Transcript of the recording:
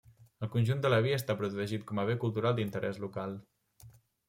El conjunt de la via està protegit com a bé cultural d'interès local.